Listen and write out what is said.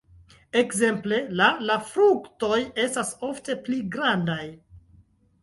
Ekzemple la la fruktoj estas ofte pli grandaj.